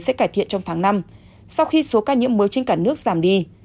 sẽ cải thiện trong tháng năm sau khi số ca nhiễm mới trên cả nước giảm đi